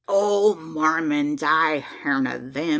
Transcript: "Oh! Mormons! I've hearn o' them.